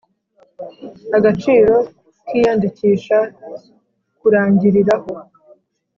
Agaciro k iyandikisha karangiriraho